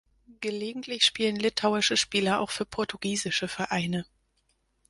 Gelegentlich spielen litauische Spieler auch für portugiesische Vereine.